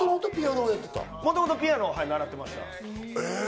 もともとピアノを習ってました。